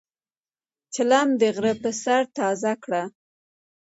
چیلم د غرۀ پۀ سر تازه کړه.